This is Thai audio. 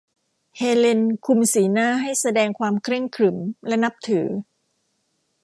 เฮเลนคุมสีหน้าให้แสดงความเคร่งขรึมและนับถือ